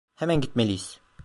Hemen gitmeliyiz.